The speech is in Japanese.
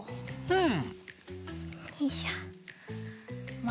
うん。